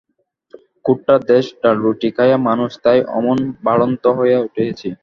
খোট্টার দেশে ডালরুটি খাইয়া মানুষ, তাই অমন বাড়ন্ত হইয়া উঠিয়াছে।